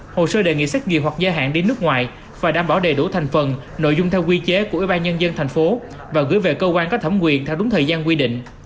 hồ sơ đề nghị xét duyệt hoặc gia hạn đi nước ngoài và đảm bảo đầy đủ thành phần nội dung theo quy chế của ubnd tp hcm và gửi về cơ quan có thẩm quyền theo đúng thời gian quy định